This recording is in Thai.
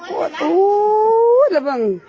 โอ้ละบัง